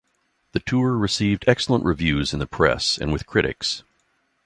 The tour received excellent reviews in the press and with critics.